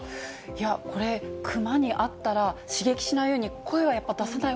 これ、クマに会ったら、刺激しないように、声はやっぱり、出さない